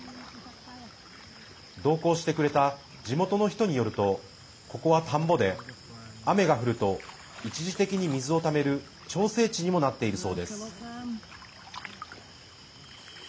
同行してくれた地元の人によるとここは田んぼで雨が降ると一時的に水をためる調整池にもなっているそうです。